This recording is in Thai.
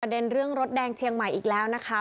เด็นเรื่องรถแดงเชียงใหม่อีกแล้วนะคะ